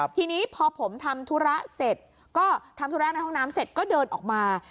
ทีนี้พอผมทำธุระเสร็จก็ทำธุระในห้องน้ำเสร็จก็เดินออกมา